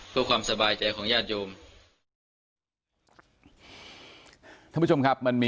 เพื่อความสบายใจของญาติโยม